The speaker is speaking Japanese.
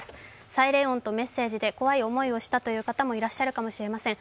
サイレン音とメッセージで怖い思いをしたという方もいらっしゃるかもしれません。